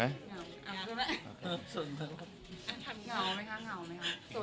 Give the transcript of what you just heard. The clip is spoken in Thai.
อันท่านเหงาไหมครับหงาวไหมครับ